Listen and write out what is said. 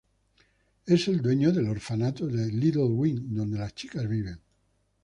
El es el dueño del orfanato de Little Wing donde las chicas viven.